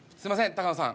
高野さん